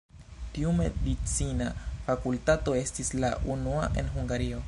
Tiu medicina fakultato estis la unua en Hungario.